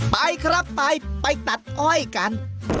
ไปครับไปไปตัดอ้อยกัน